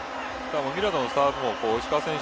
ミラドのサーブも石川選手